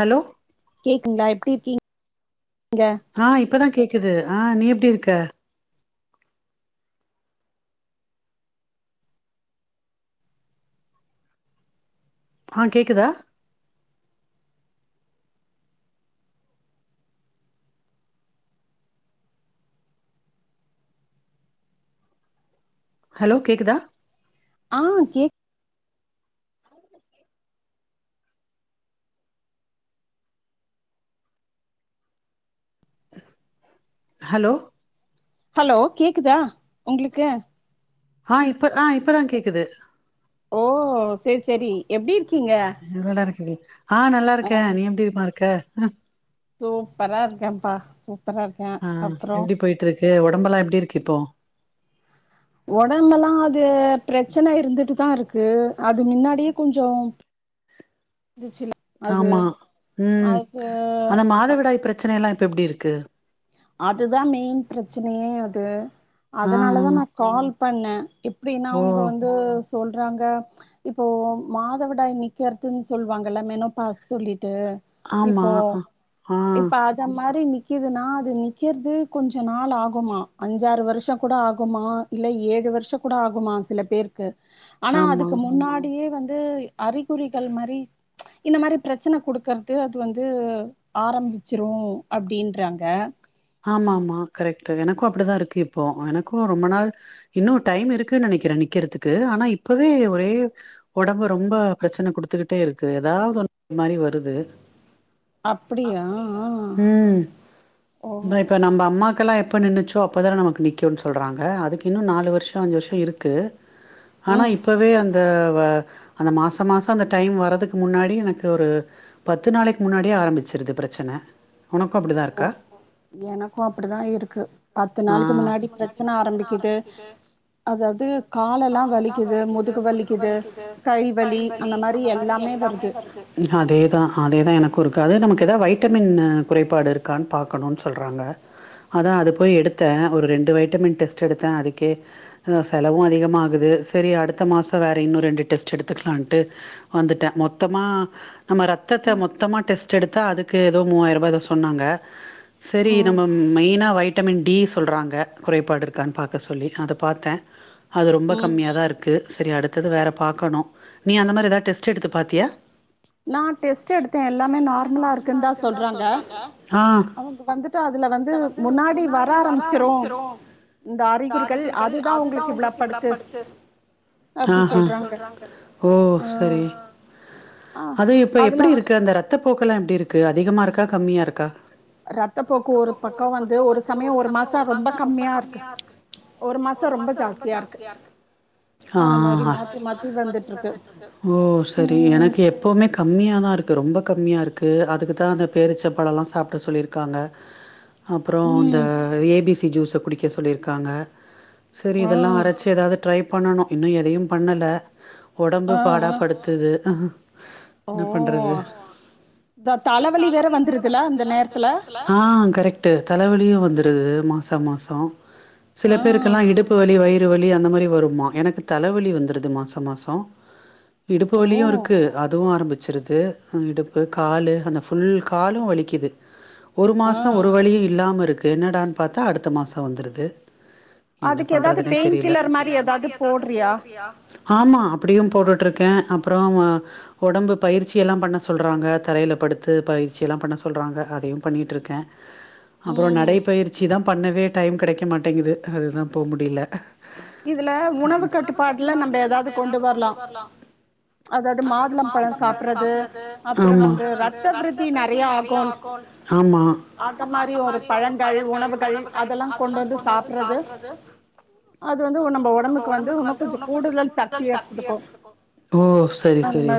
hello ங்கள எப்டிருக்கீங் நீங்க இப்பதான் கேக்குது ஆஹ் நீ எப்படி இருக்க ஆஹ் கேக்குதா ஹலோ கேக்குதா ஆஹ் கேக் ஹலோ ஹலோ கேக்குதா உங்களுக்கு ஆஹ் இப்ப ஆஹ் இப்பதான் கேக்குது ஓ சேரி சேரி எப்டி இருக்கிங் நல்லா இருக்குங்க ஆஹ் நல்ல இருக்கேன் நீ எப்டிமா இருக்க [unintelligible] சூப்பரா இருக்கேன்ப்பா சூப் ஆஹ் எப்படி போயிட்டு இருக்கு உடம்பெல்லாம் எப்டி இருக்கு இப்போ உடம்புல்லாம் அது பிரச்சனை இருந்துட்டுதான் இருக் க்கு அது மின்னாடியே கொஞ்சம் ஆமா உம் ஆனா மாதவிடாய் பிரச்சனைலாம் இப்ப எப்டி இருக்கு அதுதான் மெயின் பிரச்சனையே அது அதனாலதான் நா கால் பண்ண இப் அப்டின்னா அவங்க வந்து சொல்றாங்க இப்போ மாதவிடாய் நிக்கர்துன்னு சொல்லுவாங்கல்ல மெனப்பா சொல்லி து இப்போ இப்ப அத மாதிரி நீ க்கிதுனா அது நிக்கறது கொஞ்சம் நாள் ஆகுமா அஞ்சாறு வருஷம் கூட ஆகுமா இல் ஏழு வருஷம் கூட ஆகுமா சில பேருக்கு ஆனா அதுக்கு முன்னாடியே வந்து ந்து அறிகுறிகள் மரி இந்த மாரி பிரச்சன கொடுக்கறது அது வந்து ஆரம்பிச்சிரும் அப்டின்றாங்க ஆமா ஆமா கரெக்ட்டு எனக்கும் அப்டிதான் இருக்கு இப்போ எனக்கும் ரொம்ப நாள் இன்னும் டைம் இருக்குன்னு நினைக்கிறேன் நக்கிறதுக்கு ஆனா இப்பவே ஒரே உடம்பு ரொம்ப பிரச்சன கொடுத்துக்கிட்டே இருக்கு ஏதாவது ஒண்ணு இ மாரி வருது அப்டியா உம் இப்ப நம்ம அம்மாக்கெல்லாம் எப் இப்போ நின்றுச்சோ அப்போ தான நமக்கு நிற்கும்னு சொல்றாங்க அதுக்கின்னும் நாலு வருஷம் அஞ்சு வருஷம் இருக்கு ஆனா இப்வே அந் இந்த அந்த மாச மாசம் அந்த டைம் வரதுக்கு முன்னாடி எனக்கு ஒரு பத்து நாளைக்கு முன்னாடியே ஆரம்பிச்சருது பிரச்சன உனக்கும் அப்டிதான் இருக்கா எனக்கும் அப்டித்தான் இருக்கு ஹ அதுக்கு முன்னாடி பிரச்சனை ஆரம்பிக்குது அதாவது காலெல்லாம் வலிக்குது முதுகு வலிக்குது கை வலி அந்த மாரி எல்லாமே வருது அதேதான் அதெ எது எனக்கும் இருக்காது நமக்கு ஏதா வைட்டமின் குறைபாடு இருக்கான்னு பார்க்கணும் சொல்ராங்க அதா அத போய் எடுத்தேன் ஒரு ரெண்டு வைட்டமின் டெஸ்ட் எடுத்தேன் அதுக்கே செலவும் அதிகமாகது சரி அடுத்த மாசம் வேற இன்னும் ரெண்டு டெஸ்ட் எடுத்துக்காலண்டு வந்துட்டேன் மொத்தமா நம்ம ரத்தத்தை மொத்தமாக டெஸ்ட் ஸ்ட் எடுத்தா அதுக்கு ஏதோ மூவாயிருபா ஏதோ சொன்னாங்க செரி நம்ம மெயினா வய் விட்டமின் டி சொல்றாங்க குறைபாடு இருக்கான்னு பார்க்க சொல்லி அதை பாத்தேன் அது ரொம்ப கம்மியாக தான் இருக்கு சரி அடுத்தது வேற பார்க்கணும் நீ அந்த மாதிரி ஏதாவது டெஸ்ட் எடுத்து பாத்தியா நான் டெஸ்ட் எடுத்தேன் எல்லாமே நார்மலா இருக்குன்னு தான் சொல்றாங்க அவங்க அவங்க வந்துட்டு அதுல வந்து முன்னாடி வர ஆரம்பிச்சிரும் இந்த அறிகுரிகள் அதுதான் உங்களுக்கு இவ்வளவு படுத்து ஆஹ்ஹ சொல்றாங்க ஓ சரி அது இப்ப எப்படி இருக்கு அந்த ரத்தத்த போக்கலா எப்டி இருக்கு அதிகமா இருக்கா கம்மியா இருக்கா ரத்தப் போக்கு ஒரு பக்கம் வந்து ஒரு சமயம் ஒரு மாசம் ரொம்ப கம்மியா இருக்கு ஒரு மாசம் ரொம்ப ஜாஸ்தியா இருக்கு ஹா அதுமாரி மாத்தி மாத்தி வருது ஓ செரி எனக்கு எப்வுமே கம்மியாதான் இருக்கு ரொம்ப கம்மியா இருக்கு அதுக்கு தான் அந்த பேரிச்சப்பழ லாம் சாப்பட சொல்லியிருக்கு இருக்காங்க அப்பறம் இந்த ஏபிசி [unintelligible] ஜூஸ குடிக்க சொல்லிருக்காங்க சரி இதெல்லா அரைச்சு ஏதாவது ட்ரை பண்ணணு இன்னு எதையு பண்ணல ஒடம்பு பாடா படுத்துது அஹ் ஓ இந்த தலைவலி வேற வந்துருதுல இந்த நேரத்துல ஆ கரெக்டு தலைவலியு வந்துருது மாசோ மாசோ சில பேருக்கெல்லா இடுப்பு வலி வயித் து வலி அந்த மாரி வருமா எனக்கு தலைவலி வந்துருது மாச மாசோ இடுப்பு வலியு இருக்கு அதுவும் ஆரம்பிச் ச்சிருது அ இடுப்பு காலு அந்த ஃபுல் காலு வலிக்குது ஒரு மாசோ ஒரு வலியு இல்லாம இருக் என்னடான்னு பாத்தா அடுத்த மாசோ வந்துருது என்ன பண்றதுன்னே தெரியல ஆமா அப்டியும் போட்டு்ட்ருக்கே அப்புறோ அ ஒடம்பு பயிற்சியெல்லா பண்ண சொல்றாங்க தரையில படுத்து பயிற்சியெல்லா பண்ண சொல்றாங்க அதையு பண்ணிட்ருக்கே அப்புற நடைப்பயிற்சிதா பண்ணவே டைம் கிடைக்க மாட்டேங்குது அதுதா போ முடியல இதுல உணவு கட்டுப்பாடுல நம்ப ஏதாவது கொண்டு வரலா அதாவது மாதுளம் பழோ சாப்படறது அப்புறோ வந்து ரத்த விருத்தி நெறைய ஆகும் ஆமா ஓ செரி செரி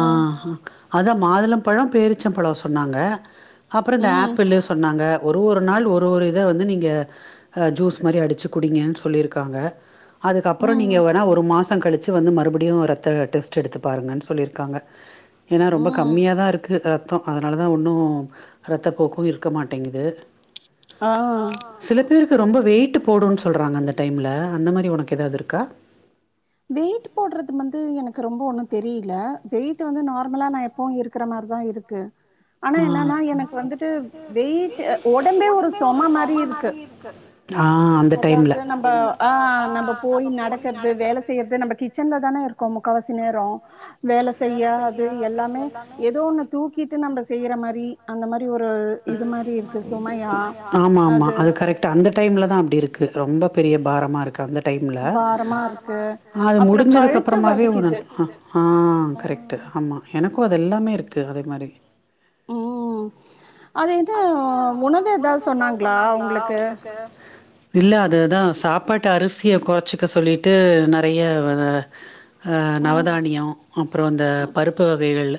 ஆ ஹ அதா மாதுளம் பழோ பேரிச்சம்பழோ சொன்னாங்க அப்புற இந்த ஆப்பிளு சொன்னாங்க ஒரு ஒரு நாள் ஒரு ஒரு இத வந்து நீங்க அதா ஜூஸ் மாரி அடிச்சு குடிங்கன்னு சொல்லிருக்காங்க அதுக்கப்புறோ நீங்க வேண்ணா ஒரு மாசோ கழிச் வந்து மறுபடியும் ரத்த டெஸ்ட் எடுத்து பாருங்கன்னு சொல்லிருக்காங்க ஏன்னா ரொம்ப கம்மியாதா இருக்கு ரத் ப்த்தம் அதனால தான் ஒன்னும் ரத்தப்போக்கும் இருக்க மாட்டேங்குது சில பேருக்கு ரொம்ப வெயிட்டு போடும்னு சொ சொல்றாங்க அந்த டைம்ல அந்த மாரி உனக்கு ஏதாவது இருக்கா வெயிட் போடுறது வந்து எனக்கு ரொம்ப ஒண்ணு தெரியல வெயிட் வந்து நார்மலா நா எப்பவும் இருக்குற மாரிதா இருக்கு ஆனா என்னன்னா எனக்கு வந்துட்டு வெய்ட்டு ஒடம்பே ஒரு சொமை மாரி இருக்கு அதாவது நம்ப ஆஹ் நம்ப போய் நடக்கறது வேல செ செய்யறது நம்ப கிச்சன்லதான இருக்கோ முக்காவாசி நேரத் அப்றோ வேலை செய்ய அது எல்லாமே ஏதோ ஒண்ணு தூக்கிட்டு நம்ம செய்யற மாதிரி அந்த மாதிரி ஒரு இது மாதிரி இருக்கு சுமையா ஆமா ஆமா அது கரெக்ட்டு அந்த டைம்லாதான் அப்படி இருக்கு ரொம்ப பெரிய பாரமா இருக்கு அந்த டைம்ல அது முடிஞ்சதுக்கு அப்புறமாவே ஆஹ் கரெக்ட்டு ஆமா எனக்கும் அது எல்லாமே இருக்கு அதே மாதிரி அது என்ன உணவு ஏதாவது சொன்னாங்களா உங்களுக்கு இல்லை அதுதான் சாப்பாட்ட அரிசியை குறைச்சிக்க சொல்லிட்டு நிறைய அஹ் நவதானியம் அப்புறம் இந்த பருப்பு வகைகள்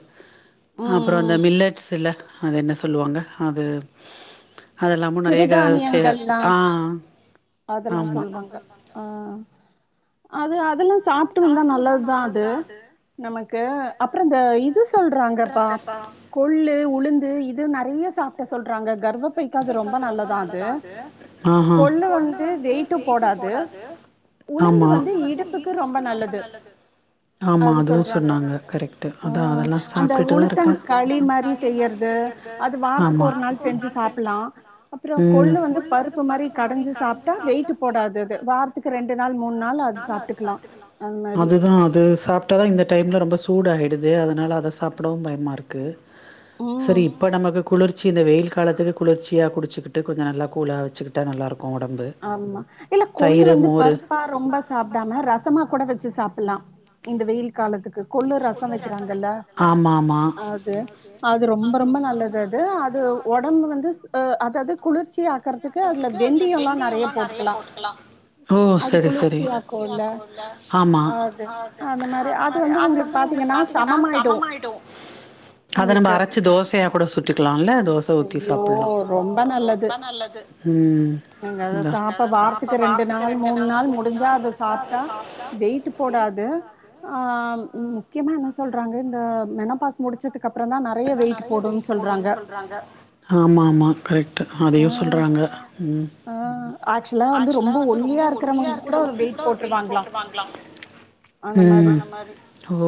ஹாம் அப்புறம் அந்த மில்லட்ஸ் இல்ல அது என்ன சொல்லுவாங்க அது அதுயெல்லாமும் நிறைக செக ஆஹ் ஆமா அது அதெல்லாம் சாப்பிட்டு வந்தா நல்லதுதான் அது நமக்கு க்கு அப்புறம் இந்த இது சொல்றாங்கப்பா கொள்ளு உளுந் இது இது நிறைய சாப்பிட்ட சொல்ற ங்க கர்ப பைக்கு அது ரொம்ப ரொம்ப நல்லதா அது ஆஹான் கொள்ளு வந்து வெய்டு போடாது ஆமா உளுந்து வந்து இடுப்புக்கு ரொம்ப நல்லது ஆமா அதுவும் சொன்னாங்க கரெக்ட்டு அதான் அதெல்லாம் சாப்டுட்டு தா இருக்கேன் உழுந்தக்கலி மாதிரி செய்யறது ஆமா வாரதுக்கு ஒரு நாள் ல்லாம் ம்ம் கொள்ளு வந்து பருப்பு மாதிரி கடைஞ்சு சாப்பிட்டா வெயிட்டு போடாது அது வாரத்துக்கு ரெண்டு நாள் மூணு நாள் அது சாப்டுக்கலாம் அதுதான் அது சாப்டதா இந்த டைம்ல ரொம்ப சூடாக்கிடுது இதே அதனால அதை சாப்பிடவும் பயமாக இருக்குது சரி இப்ப நமக்கு குளிர்ச்சி இந்த வெயில் காலத்துக்கு குளிர்ச்சியாக குடிச்சிட்டு கொஞ்சம் நல்லா கூலாக வச்சுக்கிட்டா நல்லாயிருக்கும் ஆமா இல்ல கொள்ளு வந்து பருப்பா ரொம்ப சாப்பிடாம ரசமா கூட வச்சு சாப்ப லாம் இந்த வெயில் காலத்துக்கு கொள்ளு ரசம் வைக்கிறாங்கல்ல அது அது ரொம்ப ரொம்ப நல்லது அது அது உடம்பு வந்து அதாவது குளிர் ச்சி ஆக்குறதுக்கு அதுல வென்ந்தியல்லாம் லாம் நெறய போட்டுக்கலாம் ஓ சரி சரி குளிர்ச்சி ஆக்கும்ல ஆமா அது வந்து உங்களுக்கு பாதிங்கன்னா சமம் ஆகிடும் அத நம்ம அரைச்சு தோசைய கூட சுட்டுக்கலாம்ல தோச ஐயோ ரொம்ப நல்லது த்தா நல்லது நீங்க அத சாப்ப வாரத்துக்கு ரெண்டு நாள் மூண் நாள் முடிஞ்சா அத சாப்ட்டா வெயி்ட் போடாது ஆஹ் முக்கியமா என்ன சொ சொல்றாங்க இந்த மெனோபாஸ் முடிச்ச ஆமா ஆமா கரெக்ட்டு அதையு சொல்றாங்க ம் ம் ஓ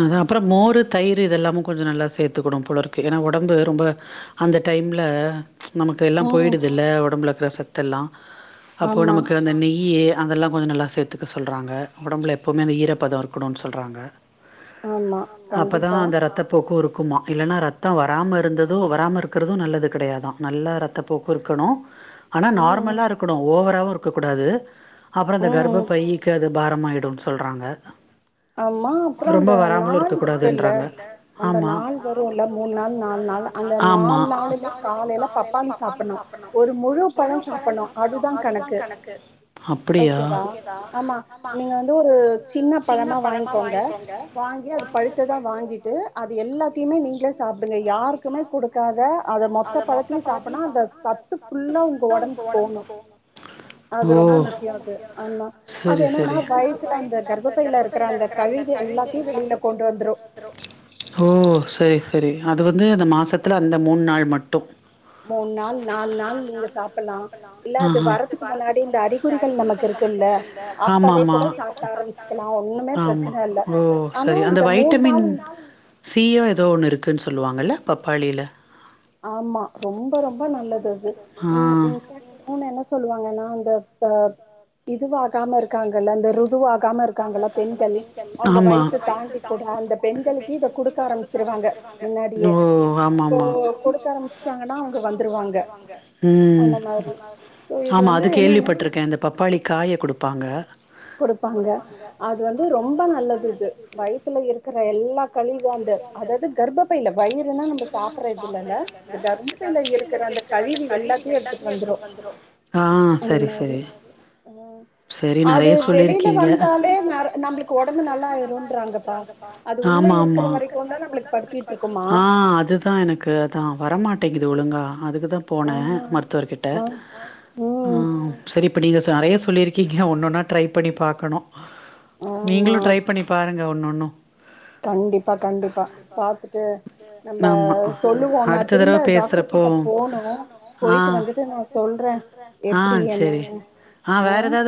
அத அப்றோ மோரு தயிர் இதெல்லா இன்னு கொஞ்ச நல்லா சேத்துக்கணு போலருக்கு ஏன்னா ஒடம்பு ரொம்ப அந்த டைம்ல நமக்கு எல்லா போயிடுதுல்ல ஒடம்புல வெசத்தல்லா அப்போ நமக்கு அந்த நெய்யி அதெல்லா கொஞ்ச நல்லா சேத்துக்க சொல்றாங்க ஒடம்புல எப்பவுமே அந்த ஈரப்பதோ இருக்கணுன்னு சொல்றாங்க ஆமா கண்டிப்பா க்கு இருக்குமா இல்லன்னா ரத்தோ வராம இருந்தது வராம இருக்கிறது நல்லது கெடையாதா நல்லா ரத்தப்போக்கு இருக்கணு ஆனா நார்மலா இருக்கணு ஓவராவு இருக்கக்கூடாது அப்றோ இந்த கர்ப்பப்பைக்கு அது பாரமாயிடுன்னு சொல்றாங்க ஆமா அப்றோ அந்த நாள் இருக்கல்ல நம்ப நாள் வரு இல்ல மூண் நாள் நால் நாள் அந்த நால் நாலுமே காலைல பப்பாளி சாப்பன்னு ஒரு முழுப்பழ சாப்பன்னு அதுதா கணக்கு ஓகேவா ஆமா நீங்க வந்து ஒரு சின்ன பழமா வாங்கிக்கோங்க வாங்கி அது பழுத்ததா வாங்கிட்டு அத து எல்லாத்தையுமே நீங்களே சாப்டுங்க யாருக்குமே குடுக்காத அத மொத்த பழத்தையு சாப்பன்னா அந்த சத்து ஃபுல்லா உங்க ஒடம்புக்கு போகணு அது ரொம்ப முக்கியோ எனக்கு ஆமா அது என்னன்னா வயத்துல அந்த கர்ப ப்பைல இருக்கிற அந்த கழிவு எல்லாத்தையு வெளில கொண்டு வந்துரு ஓ செரி-செரி அது வந்து அந்த மாசத்துல அந்த மூண் நாள் மட்டும் மூண் நாள் நால் நாள் நீங்க சாப்பல்லா இல்ல அது வறதுக்கு முன்னாடி இந்த அறிகுறிகள் நமக்கு இருக்கு இல்ல அப்பவே கூட சாப்ட்டா ஆரம்பிச்சுக்கலா ஒண்ணுமே பிரச்சனை இல்ல ஆனா இந்த மூண் நாள் சீயோ ஏதோ ஒன்னு இருக்குன்னு சொல்லுவாங்கள்ல பப்பாளியில ஆமா ரொம்ப ரொம்ப நல்லது அது இன் இன்ஃபக்ட் இன்னொன்னு என்ன சொல்லுவாங்கன்னா [unintelligible] இதுவாகாம இருக்காங்கல்ல அந்த ருதுவா ஆமா ஓ ஆமா ஆமா ம் ஆமா அது கேள்விப்பட்ருக்கே இந்த பப்பாளி காய குடு வைப்பாங்க கொடுப்பாங்க அது வந்து ரொம்ப நல்லது இது வயித்துல இருக் குற எல்லாத் கழிவு அந்த அதாவது கர்ப்பையில வயிறுனா நம்ம சாப்புற்றதுல இல்ல இது கர்ப்ப்பையில இருக்கிற அந்த கழிவு எல்லாத்தையும் எடுத்துட்டு வந்துடும் அந்த மாரி அது வெளியில வந்தாலே நா நம்மளுக்கு உடம்பு நல்லா ஆயிருன்ராங்கப்பா அது உள்ள இருக்க ஆஹ் அஹ் அதுதான் எனக்கு அதான் வரமாட்டே ட்டைக்குது ஒழுங்கா அதுக்கு தான் போனே மருத்துவர் கிட்ட அஹ் செரி இப்ப நீங்க சொ நெறைய சொல்லியிருக்கீங்க ஒன்னொன்னா ட்ரை பண்ணி பாக்கணும் நீங்களும் ட்ரை பண்ணி பாருங்க ஒன்னொன்னு கண்டிப்பா கண்டிப்பா பாத்துட்டு நம்ம சொல்லுவோம் நான் திரும்ப டாக்டர் கிட்ட போனும் போயிட்டு வந்துட்டு நான் சொல்றேன் எப்படி என்னன்னு ஆஹ்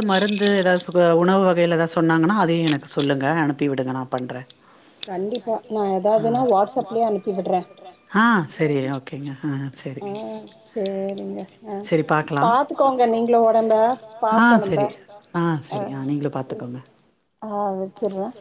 உணவு வகையில் தான் சொன்னாங்கன்னா அதையும் எனக்கு சொல்லுங்கள் அனுப்பி விடுங்க நான் பண்ணுறேன் கண்டிப்பா நான் ஏதாவதுன்னா வாட்ஸ்அப்லயே அனுப்பி விடுறேன் ஆஹ் ஆஹ் செரிங்க ஆஹ் பாத்துக்கோங்க நீங்களும் உடம்ப பாப்போம் நம்ம ஆஹ் சரி ஆஹ் வச்சிறேன்